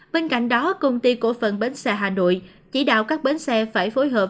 bên cạnh đó công ty cổ phần bến xe hà nội chỉ đạo các bến xe phải phối hợp